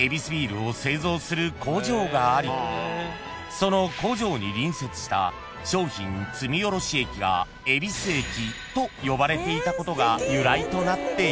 ［がありその工場に隣接した商品積み卸し駅が恵比寿駅と呼ばれていたことが由来となっている］